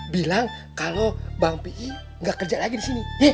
bilang kalau bang pii nggak kerja lagi di sini